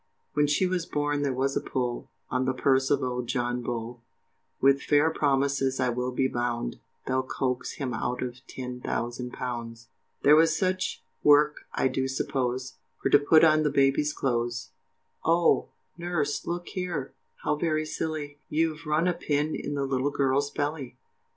When she was born there was a pull, On the purse of old John Bull, With fair promises, I will be bound, They'll coax him out of ten thousand pounds. There was such work I do suppose, For to put on the baby's clothes, Oh, nurse, look here, how very silly, You've run a pin in the little girl's belly.